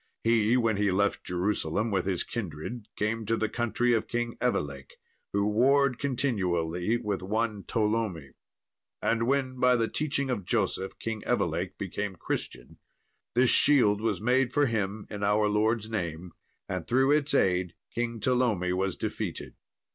He, when he left Jerusalem with his kindred, came to the country of King Evelake, who warred continually with one Tollome; and when, by the teaching of Joseph, King Evelake became a Christian, this shield was made for him in our Lord's name; and through its aid King Tollome was defeated.